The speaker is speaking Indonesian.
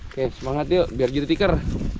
oke semangat yuk biar jadi tikar